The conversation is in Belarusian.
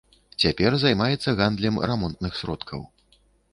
Цяпер займаецца гандлем рамонтных сродкаў.